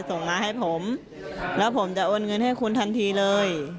ส่งมาให้ผมแล้วผมจะโอนเงินให้คุณทันทีเลย